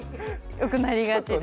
よくなりがちで。